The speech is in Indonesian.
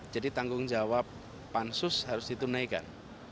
jadi tanggung jawab pansus harus ditunaikan